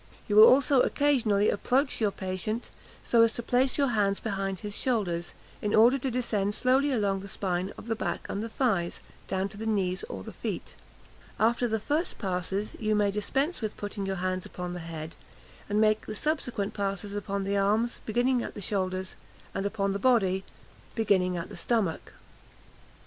You will also occasionally approach your patient, so as to place your hands behind his shoulders, in order to descend slowly along the spine of the back and the thighs, down to the knees or the feet. After the first passes, you may dispense with putting your hands upon the head, and may make the subsequent passes upon the arms, beginning at the shoulders, and upon the body, beginning at the stomach."